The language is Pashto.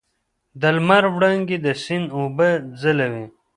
د لمر وړانګې د سیند اوبه ځلوي.